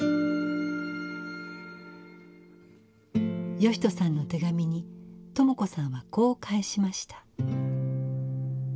義人さんの手紙に朋子さんはこう返しました。